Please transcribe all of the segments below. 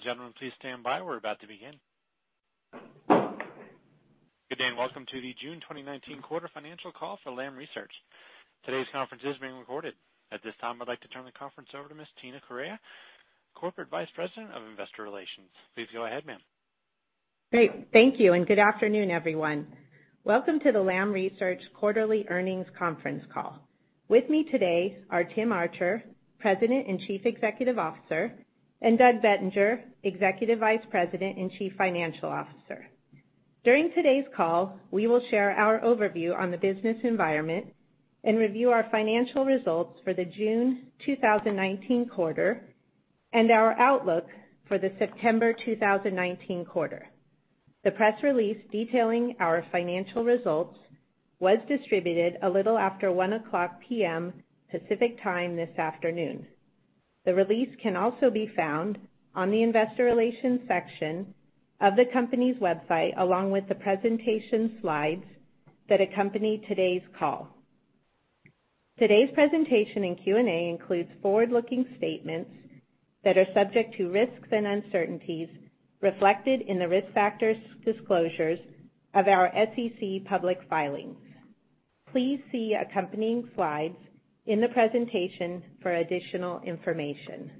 Ladies and gentlemen, please stand by. We're about to begin. Good day, welcome to the June 2019 quarter financial call for Lam Research. Today's conference is being recorded. At this time, I'd like to turn the conference over to Ms. Tina Correia, Corporate Vice President of Investor Relations. Please go ahead, ma'am. Great. Thank you. Good afternoon, everyone. Welcome to the Lam Research quarterly earnings conference call. With me today are Tim Archer, President and Chief Executive Officer, and Doug Bettinger, Executive Vice President and Chief Financial Officer. During today's call, we will share our overview on the business environment and review our financial results for the June 2019 quarter and our outlook for the September 2019 quarter. The press release detailing our financial results was distributed a little after 1:00 P.M. Pacific Time this afternoon. The release can also be found on the investor relations section of the company's website, along with the presentation slides that accompany today's call. Today's presentation and Q&A includes forward-looking statements that are subject to risks and uncertainties reflected in the risk factors disclosures of our SEC public filings. Please see accompanying slides in the presentation for additional information.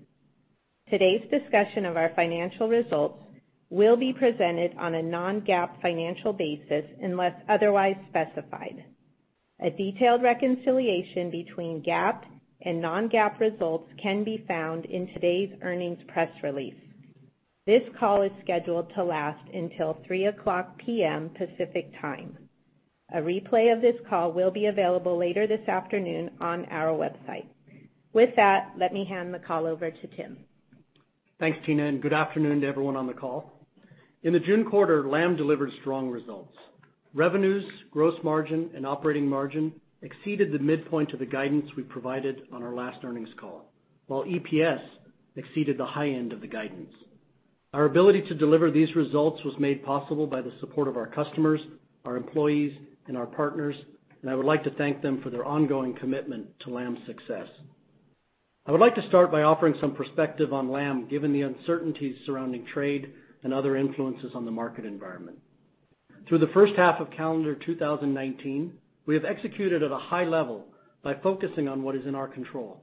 Today's discussion of our financial results will be presented on a non-GAAP financial basis unless otherwise specified. A detailed reconciliation between GAAP and non-GAAP results can be found in today's earnings press release. This call is scheduled to last until 3:00 P.M. Pacific Time. A replay of this call will be available later this afternoon on our website. With that, let me hand the call over to Tim. Thanks, Tina. Good afternoon to everyone on the call. In the June quarter, Lam delivered strong results. Revenues, gross margin, and operating margin exceeded the midpoint of the guidance we provided on our last earnings call, while EPS exceeded the high end of the guidance. Our ability to deliver these results was made possible by the support of our customers, our employees, and our partners. I would like to thank them for their ongoing commitment to Lam's success. I would like to start by offering some perspective on Lam, given the uncertainties surrounding trade and other influences on the market environment. Through the first half of calendar 2019, we have executed at a high level by focusing on what is in our control.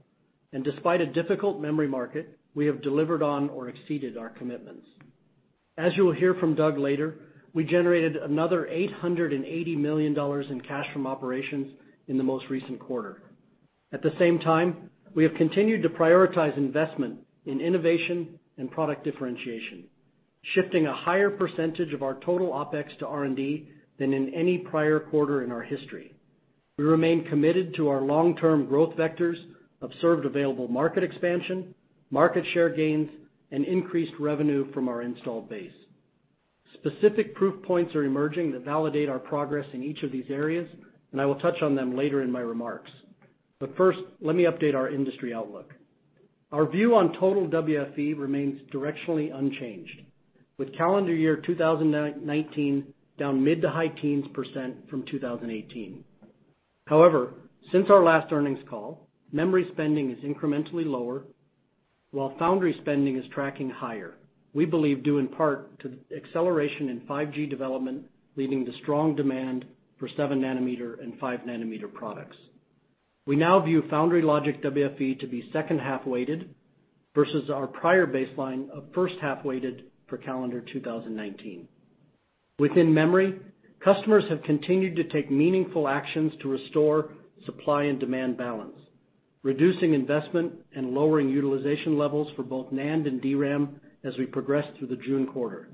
Despite a difficult memory market, we have delivered on or exceeded our commitments. As you will hear from Doug later, we generated another $880 million in cash from operations in the most recent quarter. At the same time, we have continued to prioritize investment in innovation and product differentiation, shifting a higher percentage of our total OpEx to R&D than in any prior quarter in our history. We remain committed to our long-term growth vectors of served available market expansion, market share gains, and increased revenue from our installed base. Specific proof points are emerging that validate our progress in each of these areas, and I will touch on them later in my remarks. First, let me update our industry outlook. Our view on total WFE remains directionally unchanged, with calendar year 2019 down mid to high teens percent from 2018. Since our last earnings call, memory spending is incrementally lower, while foundry spending is tracking higher, we believe due in part to the acceleration in 5G development, leading to strong demand for 7 nm and 5 nm products. We now view foundry logic WFE to be second half-weighted versus our prior baseline of first half-weighted for calendar 2019. Within memory, customers have continued to take meaningful actions to restore supply and demand balance, reducing investment and lowering utilization levels for both NAND and DRAM as we progress through the June quarter.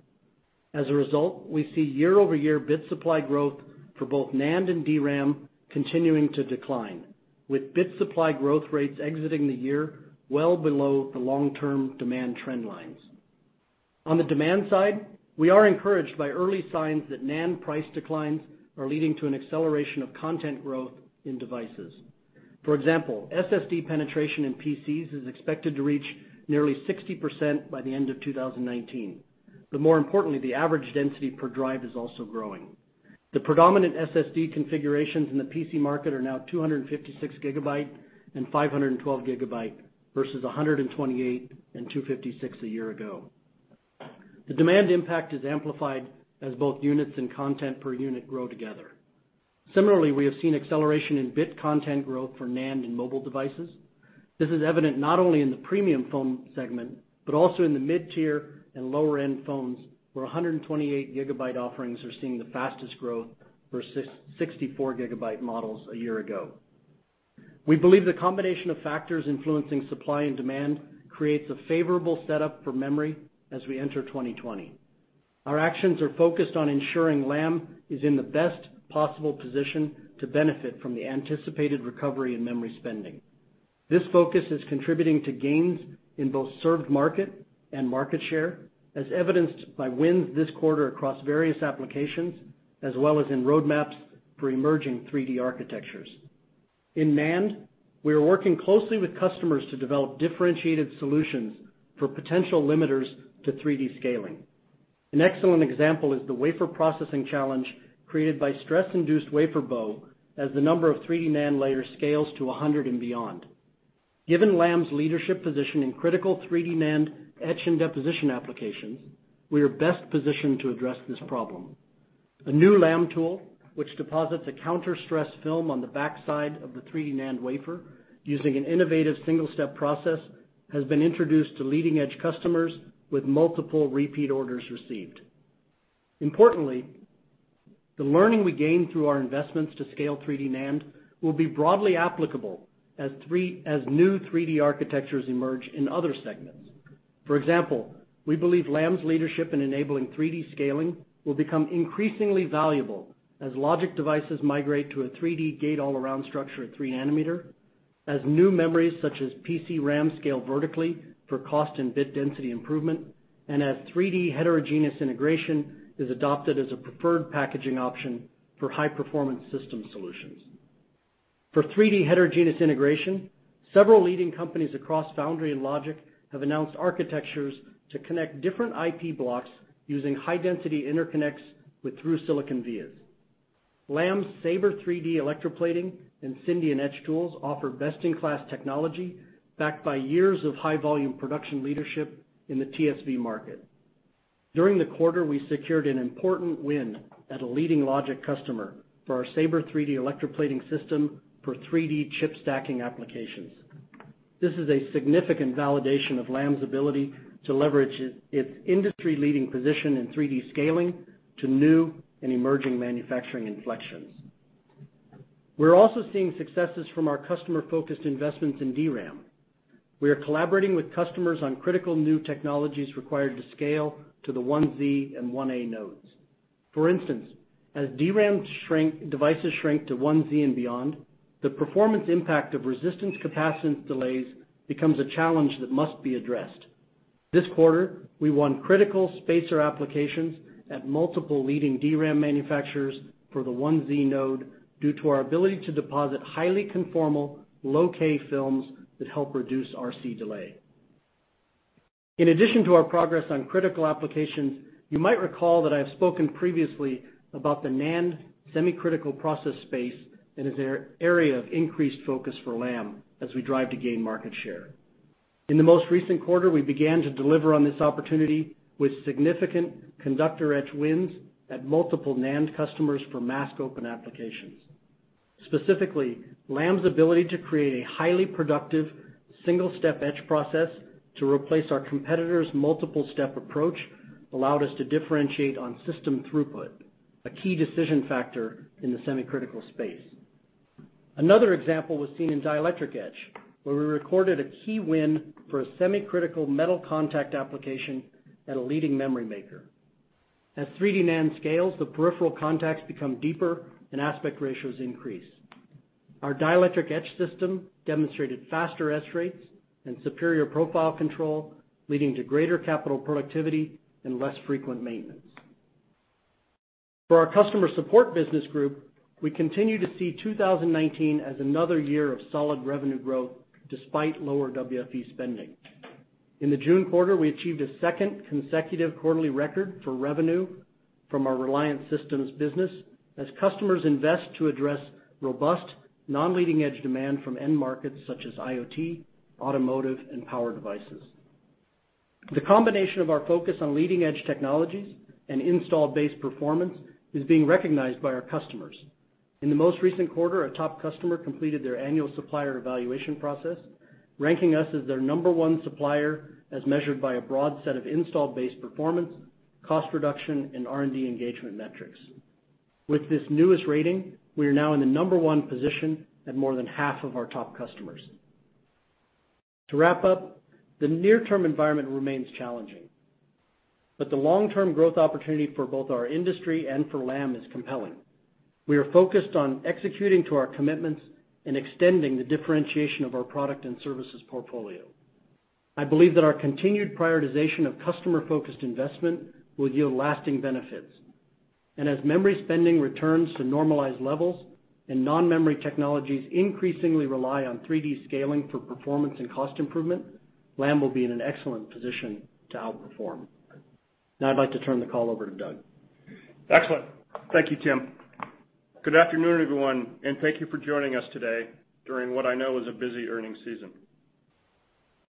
As a result, we see year-over-year bit supply growth for both NAND and DRAM continuing to decline, with bit supply growth rates exiting the year well below the long-term demand trend lines. On the demand side, we are encouraged by early signs that NAND price declines are leading to an acceleration of content growth in devices. For example, SSD penetration in PCs is expected to reach nearly 60% by the end of 2019. More importantly, the average density per drive is also growing. The predominant SSD configurations in the PC market are now 256 GB and 512 GB versus 128 GB and 256 GB a year ago. The demand impact is amplified as both units and content per unit grow together. Similarly, we have seen acceleration in bit content growth for NAND in mobile devices. This is evident not only in the premium phone segment, but also in the mid-tier and lower-end phones, where 128 GB offerings are seeing the fastest growth versus 64 GB models a year ago. We believe the combination of factors influencing supply and demand creates a favorable setup for memory as we enter 2020. Our actions are focused on ensuring Lam is in the best possible position to benefit from the anticipated recovery in memory spending. This focus is contributing to gains in both served market and market share, as evidenced by wins this quarter across various applications as well as in roadmaps for emerging 3D architectures. In NAND, we are working closely with customers to develop differentiated solutions for potential limiters to 3D scaling. An excellent example is the wafer processing challenge created by stress-induced wafer bow as the number of 3D NAND layers scales to 100 and beyond. Given Lam's leadership position in critical 3D NAND etch and deposition applications, we are best positioned to address this problem. A new Lam tool, which deposits a counter-stress film on the backside of the 3D NAND wafer using an innovative single-step process, has been introduced to leading-edge customers with multiple repeat orders received. Importantly, the learning we gain through our investments to scale 3D NAND will be broadly applicable as new 3D architectures emerge in other segments. For example, we believe Lam's leadership in enabling 3D scaling will become increasingly valuable as logic devices migrate to a 3D gate-all-around structure at three nanometer, as new memories such as PCRAM scale vertically for cost and bit density improvement, and as 3D heterogeneous integration is adopted as a preferred packaging option for high-performance system solutions. For 3D heterogeneous integration, several leading companies across foundry and logic have announced architectures to connect different IP blocks using high-density interconnects with through-silicon vias. Lam's SABRE 3D electroplating and Syndion etch tools offer best-in-class technology, backed by years of high-volume production leadership in the TSV market. During the quarter, we secured an important win at a leading logic customer for our SABRE 3D electroplating system for 3D chip stacking applications. This is a significant validation of Lam's ability to leverage its industry-leading position in 3D scaling to new and emerging manufacturing inflections. We're also seeing successes from our customer-focused investments in DRAM. We are collaborating with customers on critical new technologies required to scale to the 1Z and 1A nodes. For instance, as DRAM devices shrink to 1Z and beyond, the performance impact of resistance capacitance delays becomes a challenge that must be addressed. This quarter, we won critical spacer applications at multiple leading DRAM manufacturers for the 1Z node due to our ability to deposit highly conformal low-k films that help reduce RC delay. In addition to our progress on critical applications, you might recall that I have spoken previously about the NAND semi-critical process space that is an area of increased focus for Lam as we drive to gain market share. In the most recent quarter, we began to deliver on this opportunity with significant conductor etch wins at multiple NAND customers for mask open applications. Specifically, Lam's ability to create a highly productive single-step etch process to replace our competitor's multiple-step approach allowed us to differentiate on system throughput, a key decision factor in the semi-critical space. Another example was seen in dielectric etch, where we recorded a key win for a semi-critical metal contact application at a leading memory maker. As 3D NAND scales, the peripheral contacts become deeper and aspect ratios increase. Our dielectric etch system demonstrated faster etch rates and superior profile control, leading to greater capital productivity and less frequent maintenance. For our customer support business group, we continue to see 2019 as another year of solid revenue growth despite lower WFE spending. In the June quarter, we achieved a second consecutive quarterly record for revenue from our Reliant systems business as customers invest to address robust non-leading-edge demand from end markets such as IoT, automotive, and power devices. The combination of our focus on leading-edge technologies and installed base performance is being recognized by our customers. In the most recent quarter, a top customer completed their annual supplier evaluation process, ranking us as their number 1 supplier as measured by a broad set of install base performance, cost reduction, and R&D engagement metrics. With this newest rating, we are now in the number one position at more than half of our top customers. To wrap up, the near-term environment remains challenging. The long-term growth opportunity for both our industry and for Lam is compelling. We are focused on executing to our commitments and extending the differentiation of our product and services portfolio. I believe that our continued prioritization of customer-focused investment will yield lasting benefits. As memory spending returns to normalized levels and non-memory technologies increasingly rely on 3D scaling for performance and cost improvement, Lam will be in an excellent position to outperform. Now I'd like to turn the call over to Doug. Excellent. Thank you, Tim. Good afternoon, everyone, and thank you for joining us today during what I know is a busy earnings season.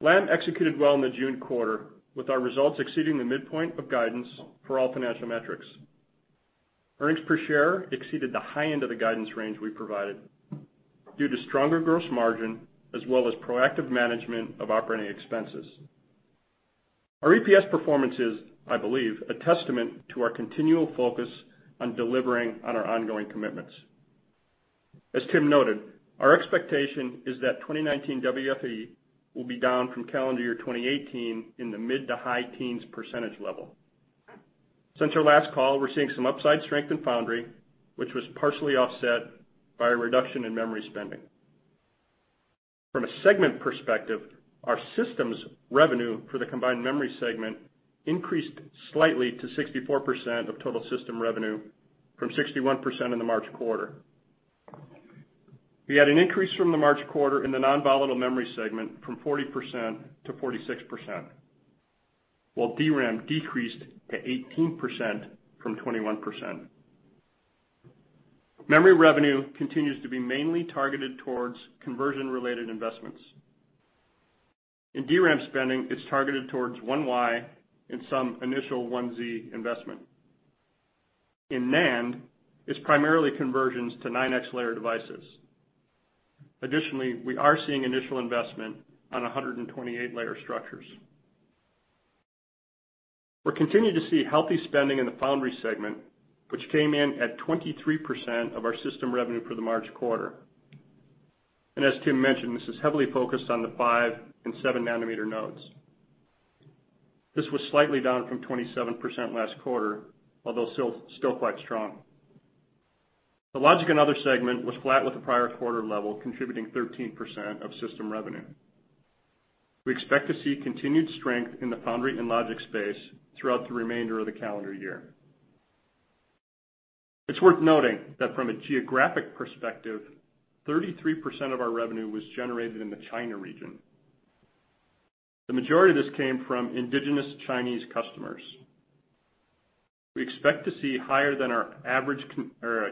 Lam executed well in the June quarter, with our results exceeding the midpoint of guidance for all financial metrics. Earnings per share exceeded the high end of the guidance range we provided due to stronger gross margin as well as proactive management of operating expenses. Our EPS performance is, I believe, a testament to our continual focus on delivering on our ongoing commitments. As Tim noted, our expectation is that 2019 WFE will be down from calendar year 2018 in the mid to high teens percentage level. Since our last call, we're seeing some upside strength in foundry, which was partially offset by a reduction in memory spending. From a segment perspective, our systems revenue for the combined memory segment increased slightly to 64% of total system revenue from 61% in the March quarter. We had an increase from the March quarter in the non-volatile memory segment from 40%-46%, while DRAM decreased to 18% from 21%. Memory revenue continues to be mainly targeted towards conversion-related investments. In DRAM spending, it's targeted towards 1Y and some initial 1Z investment. In NAND, it's primarily conversions to 9x layer devices. Additionally, we are seeing initial investment on 128-layer structures. We're continuing to see healthy spending in the foundry segment, which came in at 23% of our system revenue for the March quarter. As Tim mentioned, this is heavily focused on the 5 nm and 7 nm nodes. This was slightly down from 27% last quarter, although still quite strong. The logic and other segment was flat with the prior quarter level, contributing 13% of system revenue. We expect to see continued strength in the foundry and logic space throughout the remainder of the calendar year. It's worth noting that from a geographic perspective, 33% of our revenue was generated in the China region. The majority of this came from indigenous Chinese customers. We expect to see higher than our average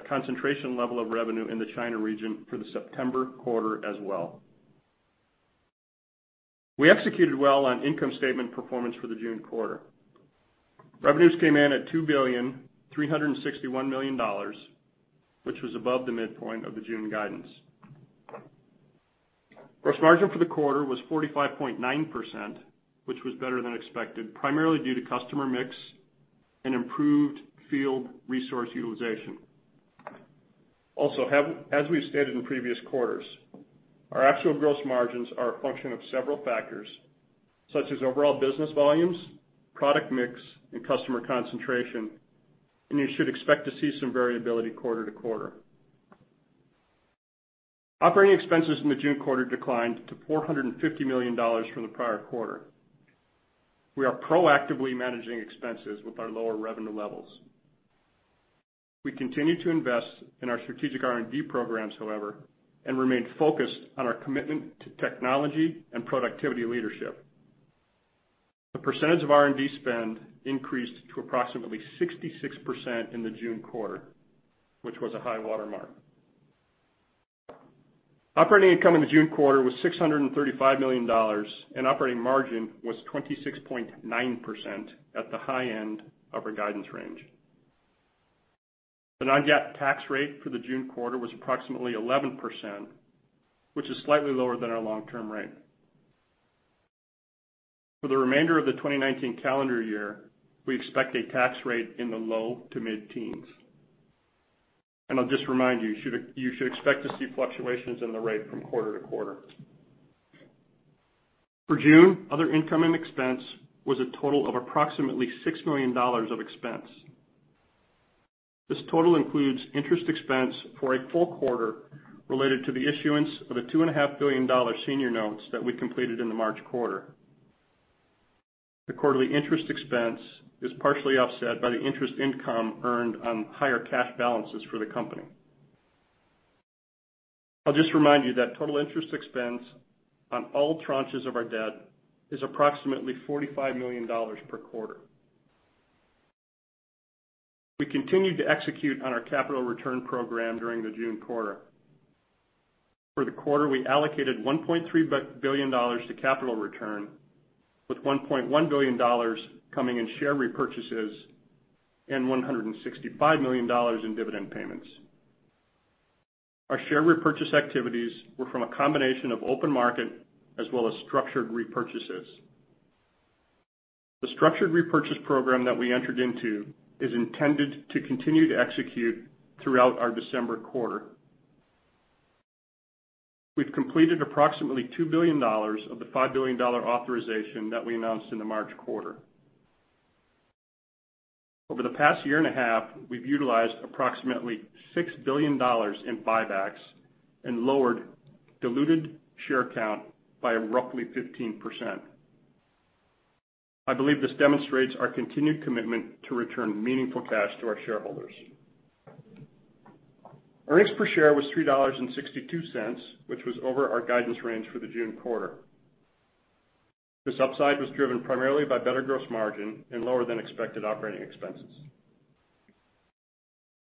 concentration level of revenue in the China region for the September quarter as well. We executed well on income statement performance for the June quarter. Revenues came in at $2,361,000,000, which was above the midpoint of the June guidance. Gross margin for the quarter was 45.9%, which was better than expected, primarily due to customer mix and improved field resource utilization. As we've stated in previous quarters, our actual gross margins are a function of several factors, such as overall business volumes, product mix, and customer concentration, and you should expect to see some variability quarter to quarter. Operating expenses in the June quarter declined to $450 million from the prior quarter. We are proactively managing expenses with our lower revenue levels. We continue to invest in our strategic R&D programs, however, and remain focused on our commitment to technology and productivity leadership. The percentage of R&D spend increased to approximately 66% in the June quarter, which was a high-water mark. Operating income in the June quarter was $635 million, and operating margin was 26.9% at the high end of our guidance range. The non-GAAP tax rate for the June quarter was approximately 11%, which is slightly lower than our long-term rate. For the remainder of the 2019 calendar year, we expect a tax rate in the low to mid-teens. I'll just remind you should expect to see fluctuations in the rate from quarter to quarter. For June, other income and expense was a total of approximately $6 million of expense. This total includes interest expense for a full quarter related to the issuance of a $2.5 billion senior notes that we completed in the March quarter. The quarterly interest expense is partially offset by the interest income earned on higher cash balances for the company. I'll just remind you that total interest expense on all tranches of our debt is approximately $45 million per quarter. We continued to execute on our capital return program during the June quarter. For the quarter, we allocated $1.3 billion to capital return, with $1.1 billion coming in share repurchases and $165 million in dividend payments. Our share repurchase activities were from a combination of open market as well as structured repurchases. The structured repurchase program that we entered into is intended to continue to execute throughout our December quarter. We've completed approximately $2 billion of the $5 billion authorization that we announced in the March quarter. Over the past year and a half, we've utilized approximately $6 billion in buybacks and lowered diluted share count by roughly 15%. I believe this demonstrates our continued commitment to return meaningful cash to our shareholders. Earnings per share was $3.62, which was over our guidance range for the June quarter. This upside was driven primarily by better gross margin and lower-than-expected Operating Expenses.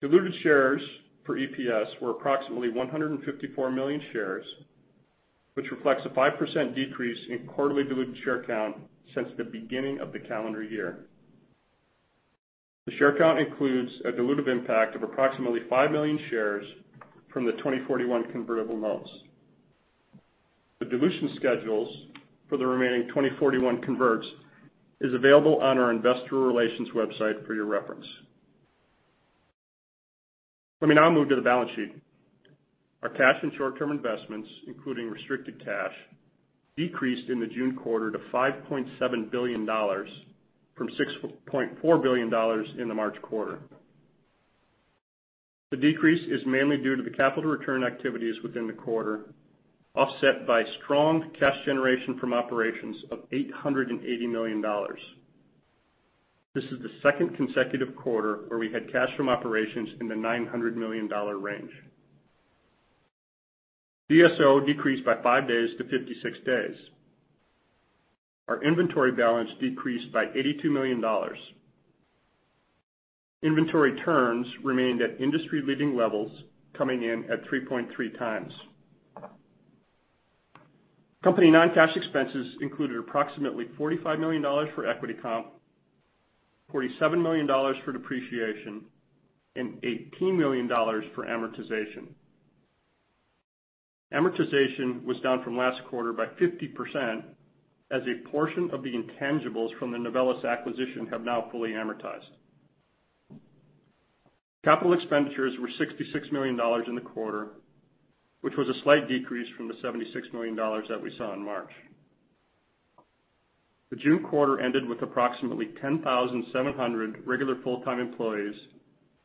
Diluted shares for EPS were approximately 154 million shares, which reflects a 5% decrease in quarterly diluted share count since the beginning of the calendar year. The share count includes a dilutive impact of approximately five million shares from the 2041 convertible notes. The dilution schedules for the remaining 2041 converts is available on our investor relations website for your reference. Let me now move to the balance sheet. Our cash and short-term investments, including restricted cash, decreased in the June quarter to $5.7 billion from $6.4 billion in the March quarter. The decrease is mainly due to the capital return activities within the quarter, offset by strong cash generation from operations of $880 million. This is the second consecutive quarter where we had cash from operations in the $900 million range. DSO decreased by five days to 56 days. Our inventory balance decreased by $82 million. Inventory turns remained at industry-leading levels, coming in at 3.3x. Company non-cash expenses included approximately $45 million for equity comp, $47 million for depreciation, and $18 million for amortization. Amortization was down from last quarter by 50%, as a portion of the intangibles from the Novellus acquisition have now fully amortized. Capital expenditures were $66 million in the quarter, which was a slight decrease from the $76 million that we saw in March. The June quarter ended with approximately 10,700 regular full-time employees,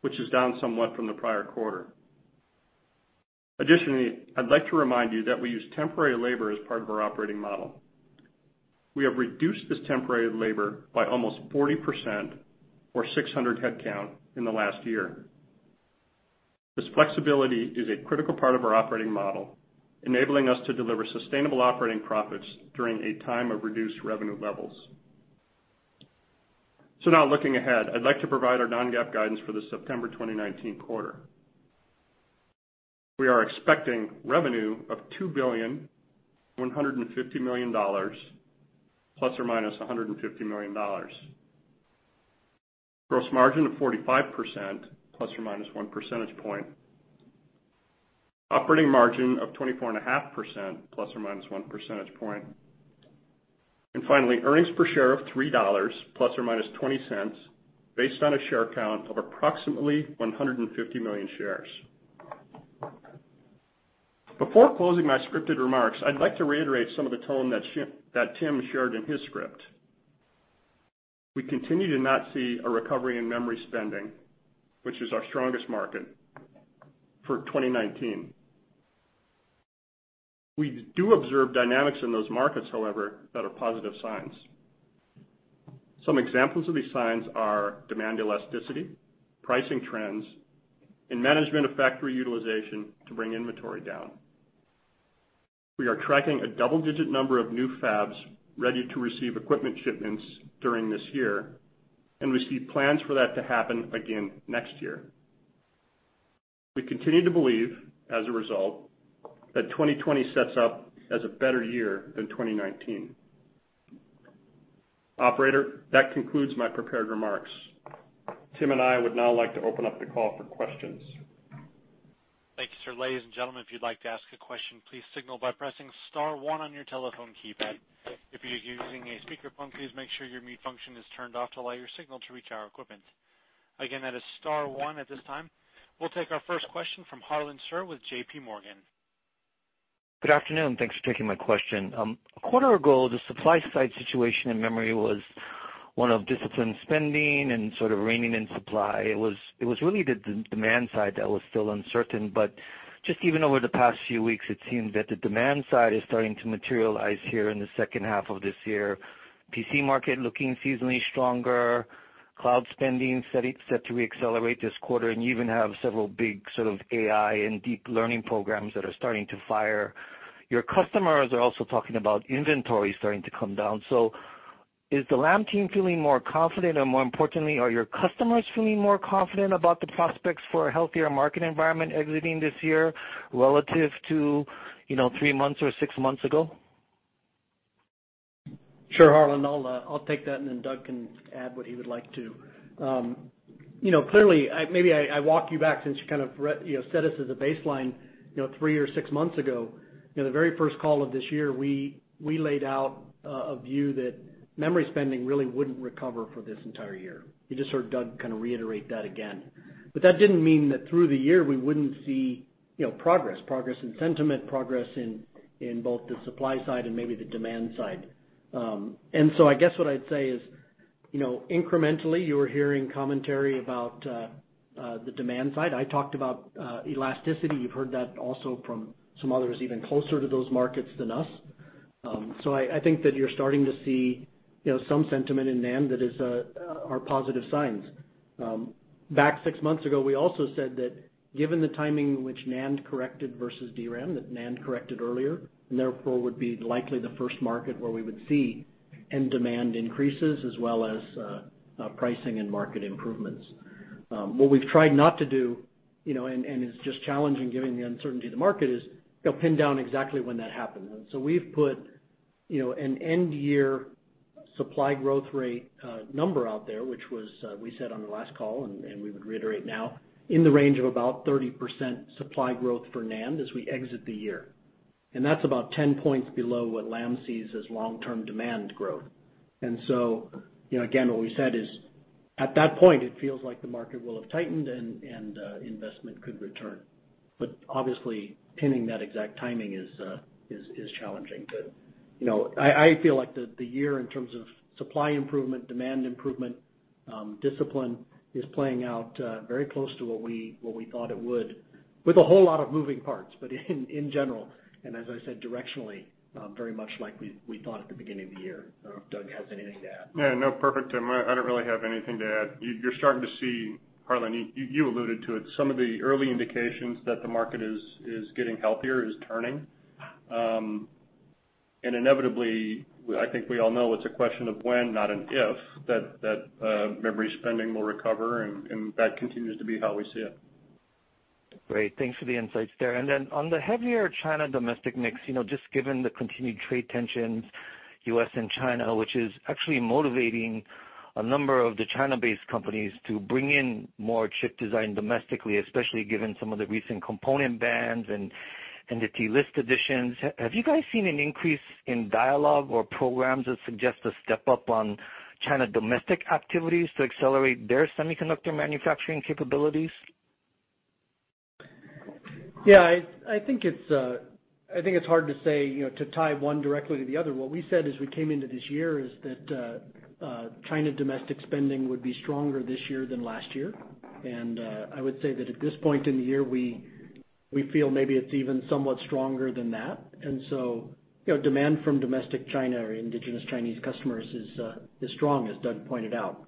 which is down somewhat from the prior quarter. Additionally, I'd like to remind you that we use temporary labor as part of our operating model. We have reduced this temporary labor by almost 40%, or 600 head count, in the last year. This flexibility is a critical part of our operating model, enabling us to deliver sustainable operating profits during a time of reduced revenue levels. Now looking ahead, I'd like to provide our non-GAAP guidance for the September 2019 quarter. We are expecting revenue of $2 billion, $150 million, ±$150 million. Gross margin of 45%, ±1 percentage point. Operating margin of 24.5%, ±1 percentage point. Finally, earnings per share of $3, ±$0.20, based on a share count of approximately 150 million shares. Before closing my scripted remarks, I'd like to reiterate some of the tone that Tim shared in his script. We continue to not see a recovery in memory spending, which is our strongest market, for 2019. We do observe dynamics in those markets, however, that are positive signs. Some examples of these signs are demand elasticity, pricing trends, and management of factory utilization to bring inventory down. We are tracking a double-digit number of new fabs ready to receive equipment shipments during this year, and we see plans for that to happen again next year. We continue to believe, as a result, that 2020 sets up as a better year than 2019. Operator, that concludes my prepared remarks. Tim and I would now like to open up the call for questions. Thank you, sir. Ladies and gentlemen, if you'd like to ask a question, please signal by pressing star one on your telephone keypad. If you're using a speakerphone, please make sure your mute function is turned off to allow your signal to reach our equipment. Again, that is star one at this time. We'll take our first question from Harlan Sur with JPMorgan. Good afternoon. Thanks for taking my question. A quarter ago, the supply side situation in memory was one of disciplined spending and sort of reining in supply. It was really the demand side that was still uncertain, but just even over the past few weeks, it seems that the demand side is starting to materialize here in the second half of this year. PC market looking seasonally stronger, cloud spending set to re-accelerate this quarter, and you even have several big sort of AI and deep learning programs that are starting to fire. Your customers are also talking about inventory starting to come down. Is the Lam team feeling more confident, and more importantly, are your customers feeling more confident about the prospects for a healthier market environment exiting this year relative to three months or six months ago? Sure, Harlan. I'll take that, and then Doug can add what he would like to. Clearly, maybe I walk you back since you kind of set us as a baseline, three or six months ago. The very first call of this year, we laid out a view that memory spending really wouldn't recover for this entire year. You just heard Doug kind of reiterate that again. That didn't mean that through the year, we wouldn't see progress. Progress in sentiment, progress in both the supply side and maybe the demand side. I guess what I'd say is, incrementally, you're hearing commentary about the demand side. I talked about elasticity. You've heard that also from some others even closer to those markets than us. I think that you're starting to see some sentiment in NAND that are positive signs. Back six months ago, we also said that given the timing in which NAND corrected versus DRAM, that NAND corrected earlier, and therefore would be likely the first market where we would see end demand increases as well as pricing and market improvements. What we've tried not to do, and is just challenging given the uncertainty of the market, is pin down exactly when that happened. So we've put an end-year supply growth rate number out there, which we said on the last call, and we would reiterate now, in the range of about 30% supply growth for NAND as we exit the year. That's about 10 points below what Lam sees as long-term demand growth. So, again, what we said is, at that point, it feels like the market will have tightened and investment could return. Obviously, pinning that exact timing is challenging. I feel like the year in terms of supply improvement, demand improvement. Discipline is playing out very close to what we thought it would, with a whole lot of moving parts, but in general, and as I said, directionally, very much like we thought at the beginning of the year. I don't know if Doug has anything to add. No, perfect. I don't really have anything to add. You're starting to see, Harlan, you alluded to it, some of the early indications that the market is getting healthier, is turning. Inevitably, I think we all know it's a question of when, not an if, that memory spending will recover, and that continues to be how we see it. Great. Thanks for the insights there. On the heavier China domestic mix, just given the continued trade tensions, U.S. and China, which is actually motivating a number of the China-based companies to bring in more chip design domestically, especially given some of the recent component bans and entity list additions. Have you guys seen an increase in dialogue or programs that suggest a step up on China domestic activities to accelerate their semiconductor manufacturing capabilities? Yeah, I think it's hard to say, to tie one directly to the other. What we said as we came into this year is that China domestic spending would be stronger this year than last year. I would say that at this point in the year, we feel maybe it's even somewhat stronger than that. Demand from domestic China or indigenous Chinese customers is strong, as Doug pointed out.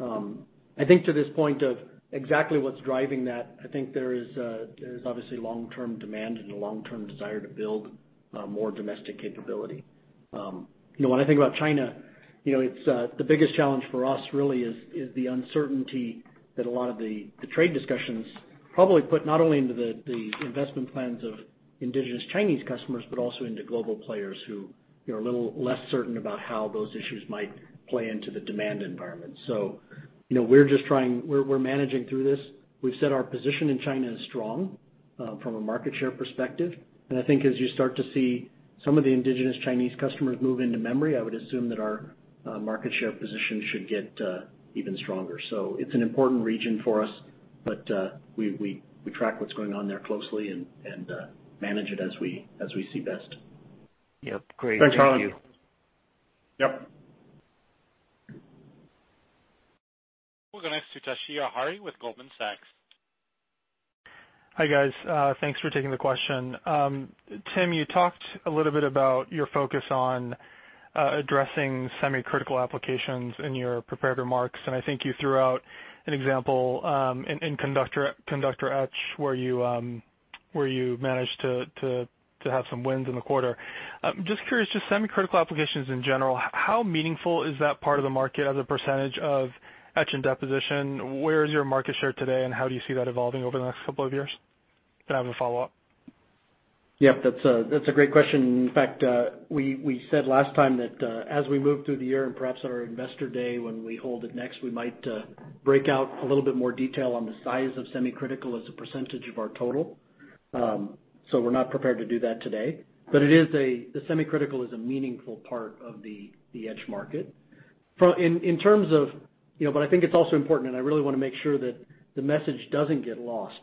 I think to this point of exactly what's driving that, I think there is obviously long-term demand and a long-term desire to build more domestic capability. When I think about China, the biggest challenge for us really is the uncertainty that a lot of the trade discussions probably put not only into the investment plans of indigenous Chinese customers, but also into global players who are a little less certain about how those issues might play into the demand environment. We're managing through this. We've said our position in China is strong, from a market share perspective, and I think as you start to see some of the indigenous Chinese customers move into memory, I would assume that our market share position should get even stronger. It's an important region for us, but we track what's going on there closely and manage it as we see best. Yep, great. Thank you. Thanks, Harlan. Yep. We'll go next to Toshiya Hari with Goldman Sachs. Hi, guys. Thanks for taking the question. Tim, you talked a little bit about your focus on addressing semi-critical applications in your prepared remarks, and I think you threw out an example, in conductor etch, where you managed to have some wins in the quarter. Just curious, just semi-critical applications in general, how meaningful is that part of the market as a percentage of etch and deposition? Where is your market share today, and how do you see that evolving over the next couple of years? I have a follow-up. Yep, that's a great question. In fact, we said last time that, as we move through the year and perhaps at our investor day when we hold it next, we might break out a little bit more detail on the size of semi-critical as a percentage of our total. We're not prepared to do that today, but semi-critical is a meaningful part of the etch market. I think it's also important, and I really want to make sure that the message doesn't get lost.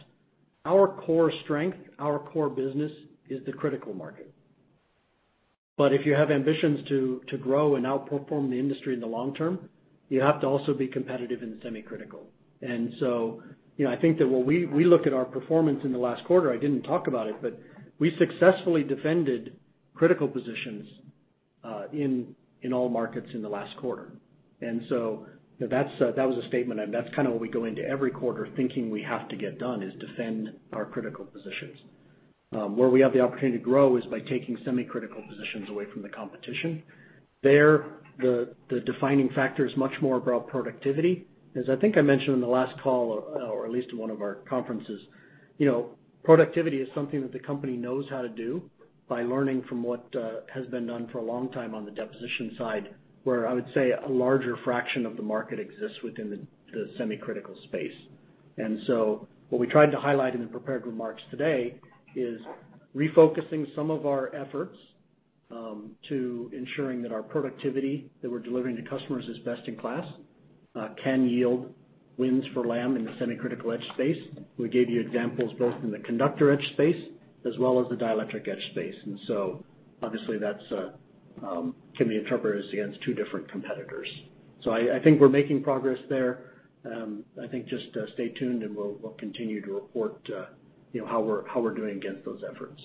Our core strength, our core business is the critical market. If you have ambitions to grow and outperform the industry in the long term, you have to also be competitive in semi-critical. I think that when we look at our performance in the last quarter, I didn't talk about it, but we successfully defended critical positions, in all markets in the last quarter. That was a statement, and that's kind of what we go into every quarter thinking we have to get done, is defend our critical positions. Where we have the opportunity to grow is by taking semi-critical positions away from the competition. There, the defining factor is much more about productivity. As I think I mentioned in the last call, or at least in one of our conferences, productivity is something that the company knows how to do by learning from what has been done for a long time on the deposition side, where I would say a larger fraction of the market exists within the semi-critical space. What we tried to highlight in the prepared remarks today is refocusing some of our efforts, to ensuring that our productivity that we're delivering to customers is best in class, can yield wins for Lam in the semi-critical etch space. We gave you examples both in the conductor etch space as well as the dielectric etch space. Obviously that can be interpreted as against two different competitors. I think we're making progress there. I think just stay tuned and we'll continue to report how we're doing against those efforts.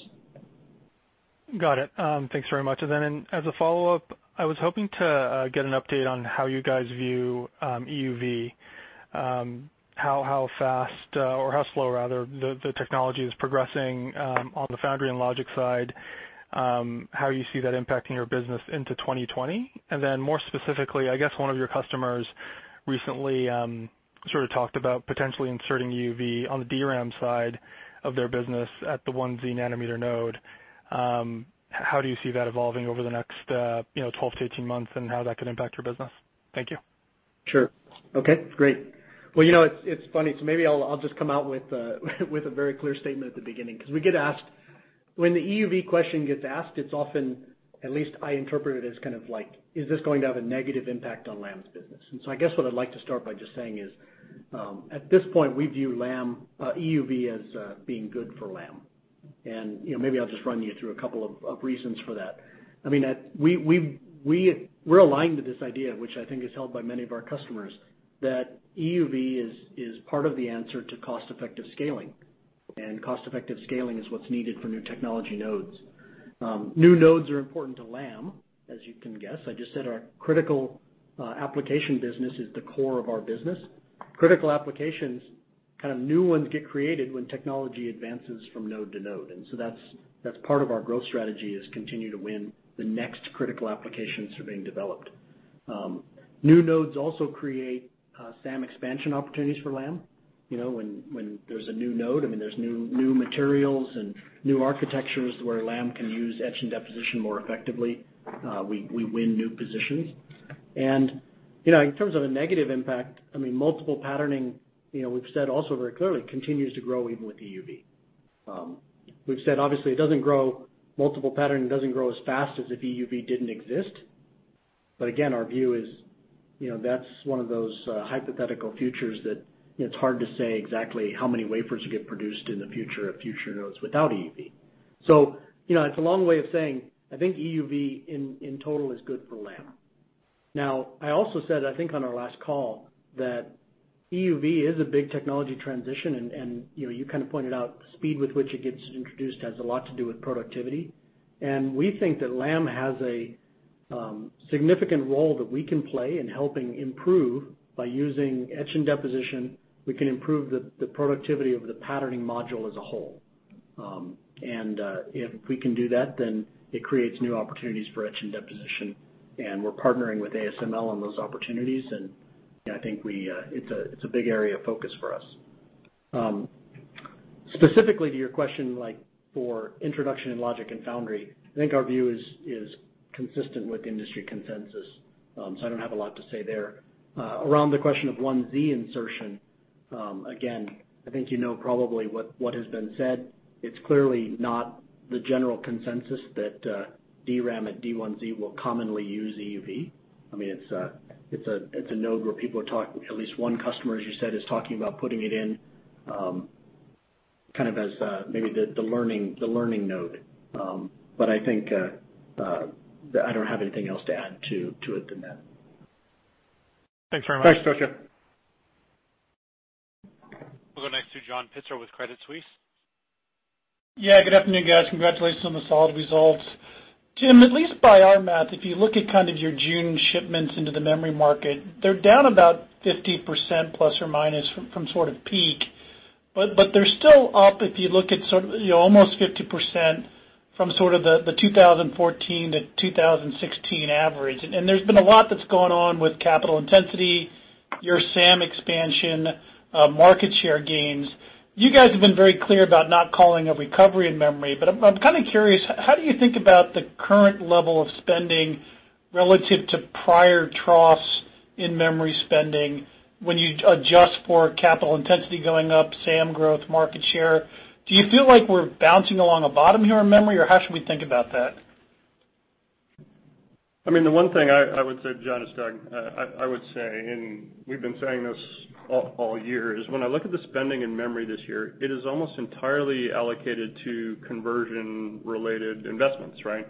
Got it. Thanks very much. Then as a follow-up, I was hoping to get an update on how you guys view EUV. How fast, or how slow, rather, the technology is progressing, on the foundry and logic side, how you see that impacting your business into 2020. Then more specifically, I guess one of your customers recently sort of talked about potentially inserting EUV on the DRAM side of their business at the 1Z nanometer node. How do you see that evolving over the next 12-18 months, and how that could impact your business? Thank you. Sure. Okay, great. Well, it's funny. Maybe I'll just come out with a very clear statement at the beginning, because when the EUV question gets asked, it's often, at least I interpret it as kind of like, is this going to have a negative impact on Lam's business? I guess what I'd like to start by just saying is, at this point, we view EUV as being good for Lam. Maybe I'll just run you through a couple of reasons for that. We're aligned to this idea, which I think is held by many of our customers, that EUV is part of the answer to cost-effective scaling. Cost-effective scaling is what's needed for new technology nodes. New nodes are important to Lam, as you can guess. I just said our critical application business is the core of our business. Critical applications, new ones get created when technology advances from node to node. That's part of our growth strategy, is continue to win the next critical applications that are being developed. New nodes also create SAM expansion opportunities for Lam. When there's a new node, there's new materials and new architectures where Lam can use etch and deposition more effectively. We win new positions. In terms of a negative impact, multiple patterning, we've said also very clearly, continues to grow even with EUV. We've said, obviously, multiple patterning doesn't grow as fast as if EUV didn't exist. Our view is that's one of those hypothetical futures that it's hard to say exactly how many wafers get produced in the future of future nodes without EUV. It's a long way of saying, I think EUV, in total, is good for Lam. I also said, I think on our last call, that EUV is a big technology transition, and you kind of pointed out the speed with which it gets introduced has a lot to do with productivity. We think that Lam has a significant role that we can play in helping improve. By using etch and deposition, we can improve the productivity of the patterning module as a whole. If we can do that, it creates new opportunities for etch and deposition, we're partnering with ASML on those opportunities, I think it's a big area of focus for us. Specifically to your question, for introduction in logic and foundry, I think our view is consistent with industry consensus. I don't have a lot to say there. Around the question of 1Z insertion, again, I think you know probably what has been said. It's clearly not the general consensus that DRAM at D1Z will commonly use EUV. It's a node where at least one customer, as you said, is talking about putting it in as maybe the learning node. I think I don't have anything else to add to it than that. Thanks very much. Thanks, Toshiya. We'll go next to John Pitzer with Credit Suisse. Yeah, good afternoon, guys. Congratulations on the solid results. Tim, at least by our math, if you look at your June shipments into the memory market, they're down about 50%, plus or minus, from sort of peak. They're still up, if you look at almost 50% from the 2014-2016 average. There's been a lot that's gone on with capital intensity, your SAM expansion, market share gains. You guys have been very clear about not calling a recovery in memory, but I'm kind of curious, how do you think about the current level of spending relative to prior troughs in memory spending when you adjust for capital intensity going up, SAM growth, market share? Do you feel like we're bouncing along a bottom here in memory, or how should we think about that? The one thing I would say, John, it's Doug, I would say, and we've been saying this all year, is when I look at the spending in memory this year, it is almost entirely allocated to conversion-related investments, right?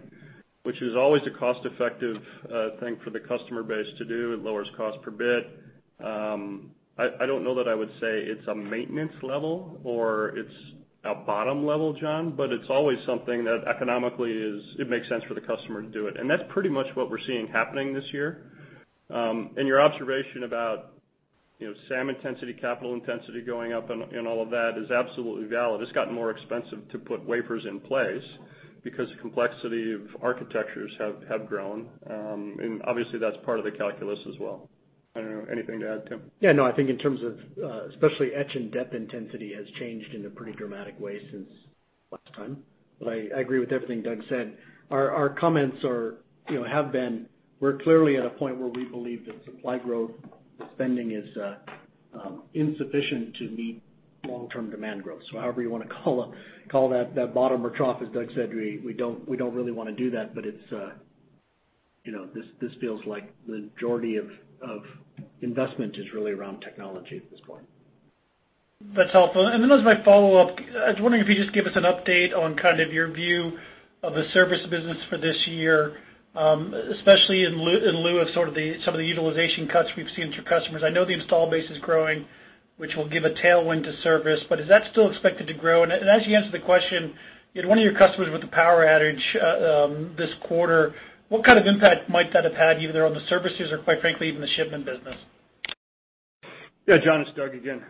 Which is always a cost-effective thing for the customer base to do. It lowers cost per bit. I don't know that I would say it's a maintenance level or it's a bottom level, John, but it's always something that economically it makes sense for the customer to do it. That's pretty much what we're seeing happening this year. Your observation about SAM intensity, capital intensity going up, and all of that is absolutely valid. It's gotten more expensive to put wafers in place because the complexity of architectures have grown. Obviously, that's part of the calculus as well. I don't know, anything to add, Tim? Yeah, no. I think in terms of especially etch and dep intensity has changed in a pretty dramatic way since last time. I agree with everything Doug said. Our comments have been we're clearly at a point where we believe that supply growth spending is insufficient to meet long-term demand growth. However you want to call that bottom or trough, as Doug said, we don't really want to do that, but this feels like the majority of investment is really around technology at this point. That's helpful. As my follow-up, I was wondering if you could just give us an update on your view of the service business for this year, especially in lieu of some of the utilization cuts we've seen through customers. I know the install base is growing, which will give a tailwind to service, is that still expected to grow? As you answer the question, one of your customers with the power outage this quarter, what kind of impact might that have had either on the services or quite frankly, even the shipment business? John, it's Doug again.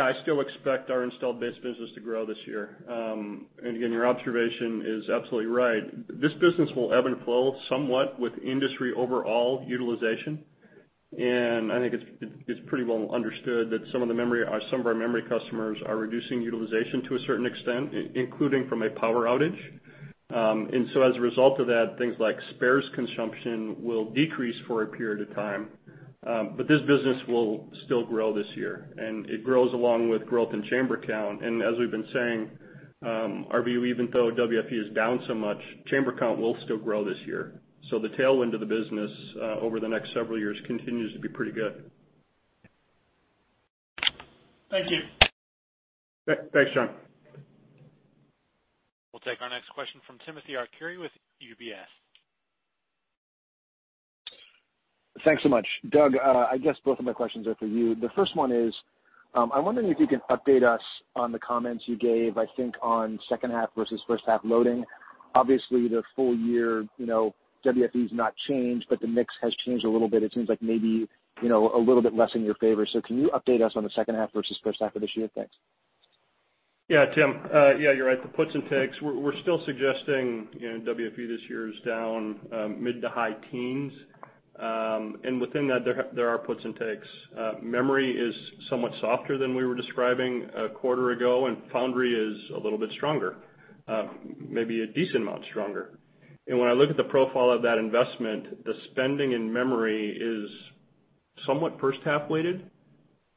I still expect our installed base business to grow this year. Again, your observation is absolutely right. This business will ebb and flow somewhat with industry overall utilization. I think it's pretty well understood that some of our memory customers are reducing utilization to a certain extent, including from a power outage. As a result of that, things like spares consumption will decrease for a period of time. This business will still grow this year, and it grows along with growth in chamber count. As we've been saying, our view, even though WFE is down so much, chamber count will still grow this year. The tailwind of the business over the next several years continues to be pretty good. Thank you. Thanks, John. We'll take our next question from Timothy Arcuri with UBS. Thanks so much. Doug, I guess both of my questions are for you. The first one is, I'm wondering if you can update us on the comments you gave, I think, on second half versus first half loading. Obviously, the full year, WFE has not changed, but the mix has changed a little bit. It seems like maybe a little bit less in your favor. Can you update us on the second half versus first half of this year? Thanks. Yeah, Tim. Yeah, you're right, the puts and takes. We're still suggesting WFE this year is down mid to high teens. Within that, there are puts and takes. Memory is somewhat softer than we were describing a quarter ago, and foundry is a little bit stronger. Maybe a decent amount stronger. When I look at the profile of that investment, the spending in memory is somewhat first half-weighted.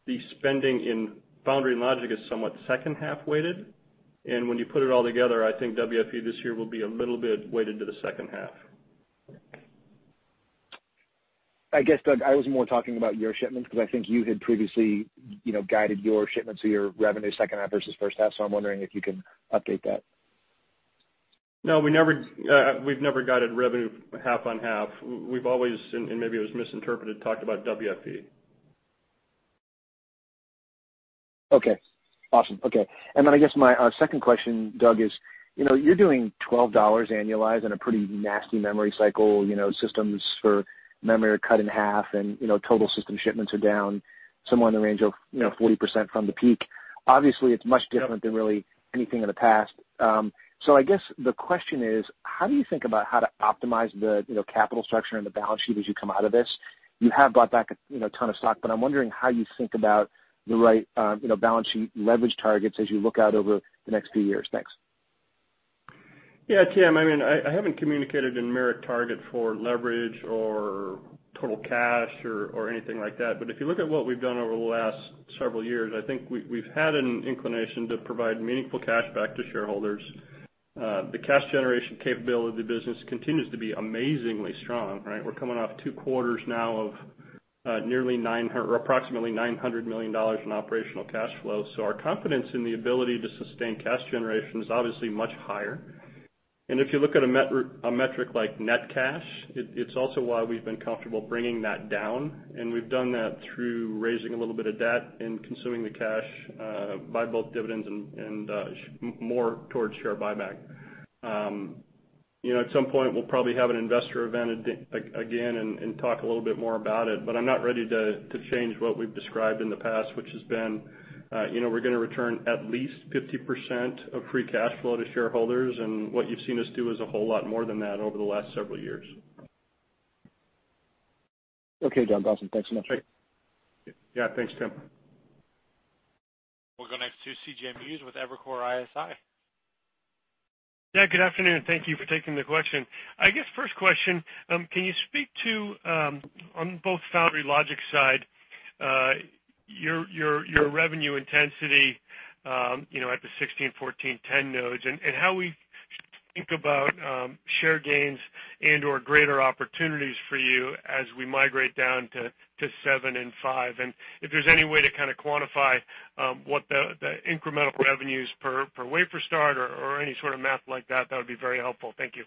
The spending in foundry and logic is somewhat second half-weighted. When you put it all together, I think WFE this year will be a little bit weighted to the second half. I guess, Doug, I was more talking about your shipments, because I think you had previously guided your shipments or your revenue second half versus first half, so I'm wondering if you can update that. No, we've never guided revenue half on half. We've always, and maybe it was misinterpreted, talked about WFE. Okay. Awesome. Okay. I guess my second question, Doug, is you're doing $12 annualized on a pretty nasty memory cycle. Systems for memory are cut in half, and total system shipments are down somewhere in the range of 40% from the peak. Obviously, it's much different than really anything in the past. I guess the question is, how do you think about how to optimize the capital structure and the balance sheet as you come out of this? You have bought back a ton of stock, but I'm wondering how you think about the right balance sheet leverage targets as you look out over the next few years. Thanks. Yeah, Tim. I haven't communicated a merit target for leverage or total cash or anything like that. If you look at what we've done over the last several years, I think we've had an inclination to provide meaningful cash back to shareholders. The cash generation capability of the business continues to be amazingly strong, right? We're coming off two quarters now of approximately $900 million in operational cash flow. Our confidence in the ability to sustain cash generation is obviously much higher. If you look at a metric like net cash, it's also why we've been comfortable bringing that down, and we've done that through raising a little bit of debt and consuming the cash by both dividends and more towards share buyback. At some point, we'll probably have an investor event again and talk a little bit more about it. I'm not ready to change what we've described in the past, which has been we're going to return at least 50% of free cash flow to shareholders, and what you've seen us do is a whole lot more than that over the last several years. Okay, Doug. Awesome. Thanks so much. Great. Yeah. Thanks, Tim. We'll go next to C.J. Muse with Evercore ISI. Yeah, good afternoon. Thank you for taking the question. I guess first question, can you speak to, on both foundry logic side, your revenue intensity at the 16, 14, 10 nodes, and how we should think about share gains and/or greater opportunities for you as we migrate down to seven and five? If there's any way to kind of quantify what the incremental revenues per wafer start or any sort of math like that would be very helpful. Thank you.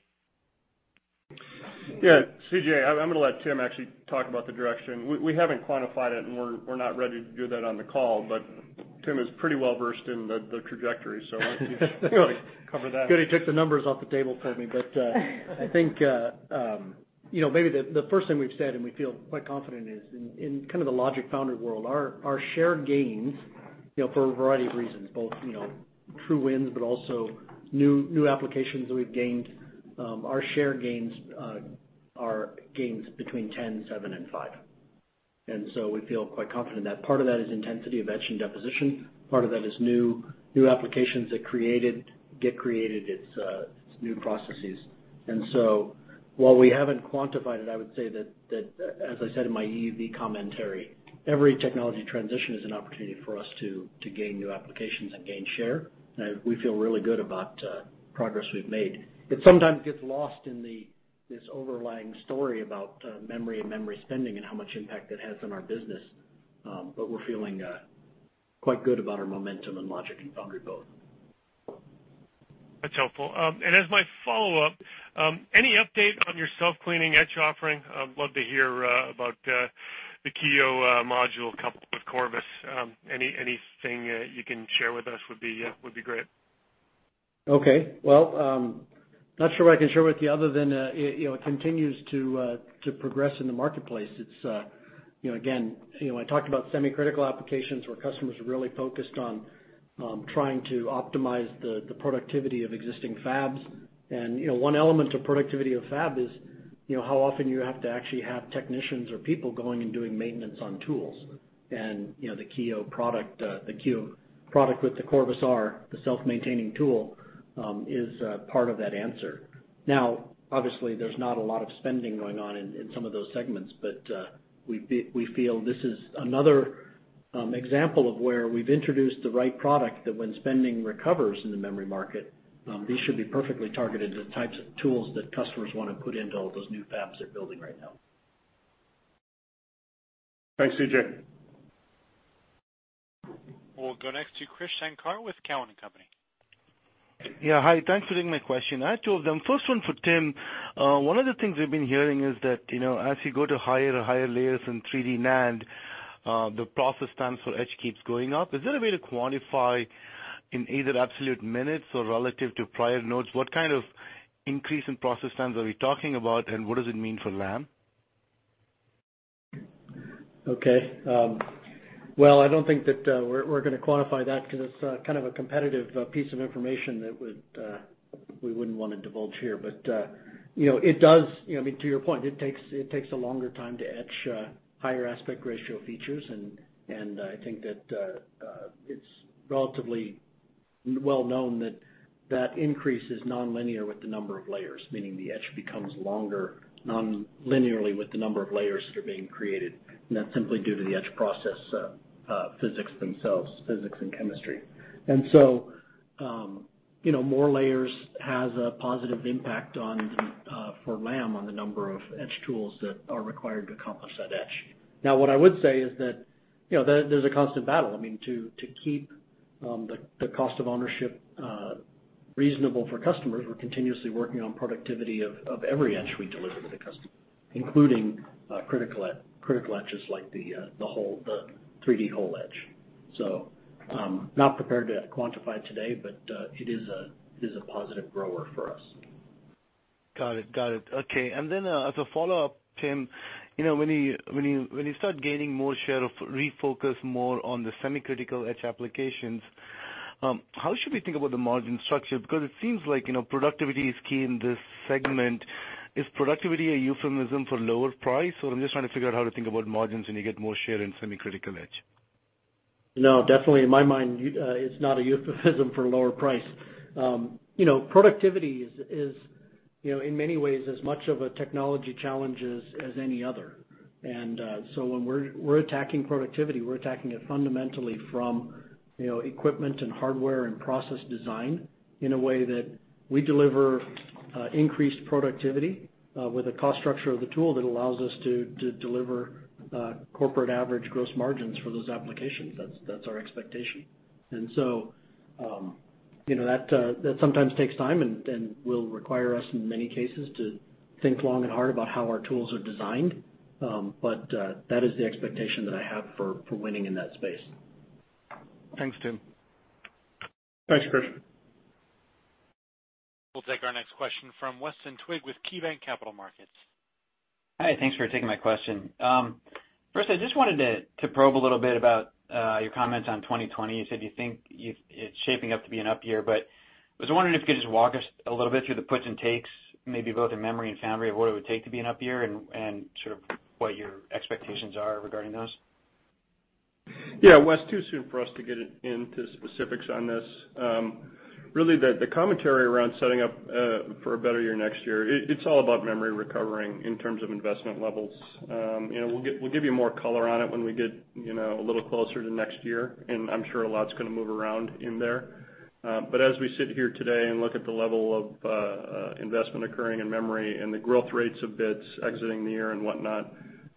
Yeah. C.J., I'm going to let Tim actually talk about the direction. We haven't quantified it, and we're not ready to do that on the call, but Tim is pretty well-versed in the trajectory, so why don't you cover that? Good, he took the numbers off the table for me. I think maybe the first thing we've said, and we feel quite confident, is in kind of the logic foundry world, our share gains for a variety of reasons, both true wins, but also new applications that we've gained. Our share gains are gains between 10, 7, and 5. We feel quite confident in that. Part of that is intensity of etch and deposition. Part of that is new applications that get created. It's new processes. While we haven't quantified it, I would say that as I said in my EUV commentary, every technology transition is an opportunity for us to gain new applications and gain share. We feel really good about the progress we've made. It sometimes gets lost in this overlying story about memory and memory spending and how much impact it has on our business. We're feeling quite good about our momentum in logic and foundry both. That's helpful. As my follow-up, any update on your self-cleaning etch offering? I'd love to hear about the Kiyo module coupled with Corvus. Anything you can share with us would be great. Well, not sure what I can share with you other than it continues to progress in the marketplace. I talked about semi-critical applications where customers are really focused on trying to optimize the productivity of existing fabs. One element of productivity of fab is how often you have to actually have technicians or people going and doing maintenance on tools. The Kiyo product with the Corvus R, the self-maintaining tool, is part of that answer. Obviously, there's not a lot of spending going on in some of those segments, but we feel this is another example of where we've introduced the right product that when spending recovers in the memory market, these should be perfectly targeted to the types of tools that customers want to put into all those new fabs they're building right now. Thanks, C.J. We'll go next to Krish Sankar with Cowen and Company. Yeah, hi. Thanks for taking my question. I have two of them. First one for Tim. One of the things we've been hearing is that as you go to higher and higher layers in 3D NAND, the process time for etch keeps going up. Is there a way to quantify, in either absolute minutes or relative to prior nodes, what kind of increase in process times are we talking about, and what does it mean for Lam? Okay. Well, I don't think that we're going to quantify that because it's kind of a competitive piece of information that we wouldn't want to divulge here. To your point, it takes a longer time to etch higher aspect ratio features, and I think that it's relatively well known that that increase is nonlinear with the number of layers, meaning the etch becomes longer nonlinearly with the number of layers that are being created. That's simply due to the etch process physics themselves, physics and chemistry. More layers has a positive impact for Lam on the number of etch tools that are required to accomplish that etch. What I would say is that there's a constant battle. To keep the cost of ownership reasonable for customers, we're continuously working on productivity of every etch we deliver to the customer, including critical etches like the 3D hole etch. Not prepared to quantify today, but it is a positive grower for us. Got it. Okay. As a follow-up, Tim, when you start gaining more share of refocus more on the semi-critical etch applications, how should we think about the margin structure? It seems like productivity is key in this segment. Is productivity a euphemism for lower price? I'm just trying to figure out how to think about margins when you get more share in semi-critical etch. No, definitely in my mind, it's not a euphemism for lower price. Productivity is, in many ways, as much of a technology challenge as any other. When we're attacking productivity, we're attacking it fundamentally from equipment and hardware and process design in a way that we deliver increased productivity with a cost structure of the tool that allows us to deliver corporate average gross margins for those applications. That's our expectation. That sometimes takes time and will require us in many cases to think long and hard about how our tools are designed. That is the expectation that I have for winning in that space. Thanks, Tim. Thanks, Krish. We'll take our next question from Weston Twigg with KeyBanc Capital Markets. Hi, thanks for taking my question. First, I just wanted to probe a little bit about your comments on 2020. You said you think it's shaping up to be an up year, I was wondering if you could just walk us a little bit through the puts and takes, maybe both in memory and foundry, of what it would take to be an up year and sort of what your expectations are regarding those. Yeah, Wes, too soon for us to get into specifics on this. Really, the commentary around setting up for a better year next year, it's all about memory recovering in terms of investment levels. We'll give you more color on it when we get a little closer to next year, and I'm sure a lot's going to move around in there. As we sit here today and look at the level of investment occurring in memory and the growth rates of bits exiting the year and whatnot,